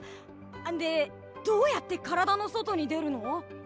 でどうやって体の外に出るの？